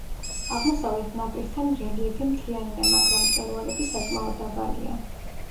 აღმოსავლეთ ნაპირთან რელიეფი მთიანია, მაგრამ მწვერვალები საკმაოდ დაბალია.